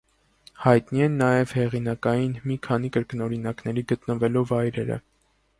Հայտնի են նաև հեղինակային մի քանի կրկնօրինակների գտնվելու վայրերը։